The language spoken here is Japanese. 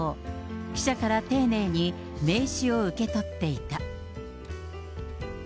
記者から丁寧に名刺を受け取っていた。